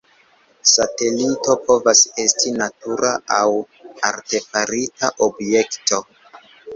Satelito povas esti natura aŭ artefarita objekto.